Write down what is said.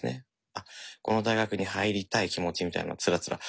あっこの大学に入りたい気持ちみたいなのをつらつらしゃべってる。